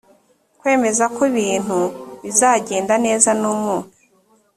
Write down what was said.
kwemezako ibintu bizagenda neza no mu